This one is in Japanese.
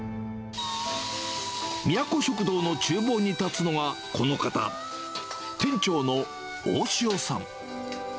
みやこ食堂のちゅう房に立つのはこの方、店長の大塩さん。